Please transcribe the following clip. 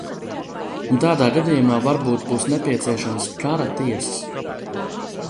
Un tādā gadījumā varbūt būs nepieciešamas kara tiesas.